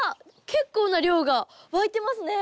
結構な量が湧いてますね。